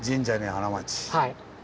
はい。